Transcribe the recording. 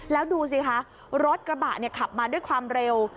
แล้วดูสิคะรถกระบะขับมาด้วยความเร็ว